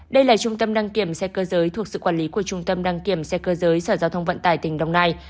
đây là trung tâm đăng kiểm xe cơ giới thuộc sự quản lý của trung tâm đăng kiểm xe cơ giới sở giao thông vận tải tỉnh đồng nai